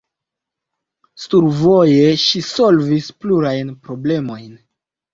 Survoje ŝi solvis plurajn problemojn.